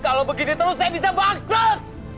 kalau begini terus saya bisa bakar